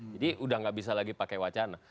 jadi sudah tidak bisa lagi pakai wacana